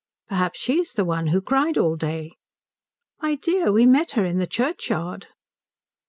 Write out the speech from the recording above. "Perhaps she is the one who cried all day." "My dear, we met her in the churchyard."